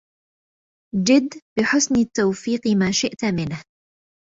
جد بحسن التوفيق ما شئت منه